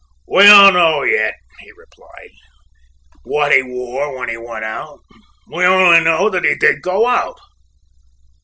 "We don't know yet," he replied, "what he wore when he went out; we only know that he did go out."